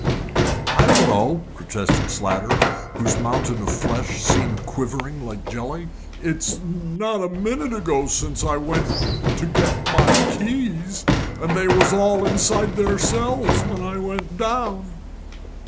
"I don't know," protested Slater, whose mountain of flesh seemed quivering like jelly. "It's not a minute ago since I went to get my keys, and they was all inside their cells when I went down."